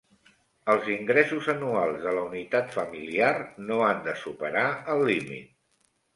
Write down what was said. Els ingressos anuals de la unitat familiar no han de superar el límit.